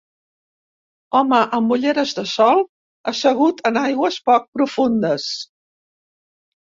Home amb ulleres de sol assegut en aigües poc profundes